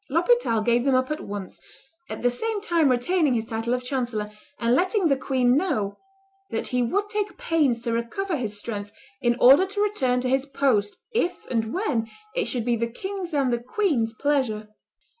L'Hospital gave them up at once, at the same time retaining his title of chancellor, and letting the queen know "that he would take pains to recover his strength in order to return to his post, if and when it should be the king's and the queen's pleasure."